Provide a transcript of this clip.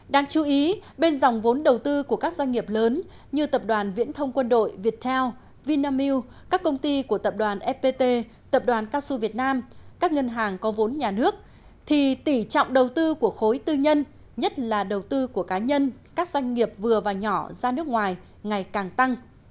đáng chú ý bên dòng vốn đầu tư của các doanh nghiệp lớn như tập đoàn viễn thông quân đội viettel vinamilk các công ty của tập đoàn fpt tập đoàn cao su việt nam các ngân hàng có vốn nhà nước thì tỷ trọng đầu tư của khối tư nhân nhất là đầu tư của cá nhân các doanh nghiệp vừa và nhỏ ra nước ngoài ngày càng tăng